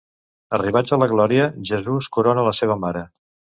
Arribats a la glòria, Jesús corona la seva Mare.